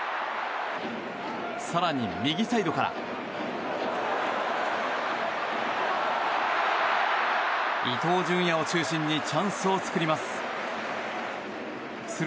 更に、右サイドから伊東純也を中心にチャンスを作ります。